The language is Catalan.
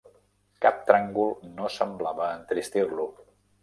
Cap tràngol no semblava entristir-lo.